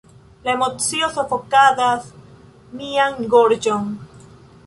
La emocio sufokadas mian gorĝon.